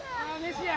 飯や！